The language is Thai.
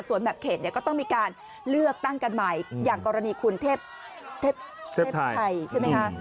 ส่วนแบบเขตเนี่ยก็ต้องมีการเลือกตั้งกันใหม่อย่างกรณีคุณเทพเทพไทยใช่ไหมคะ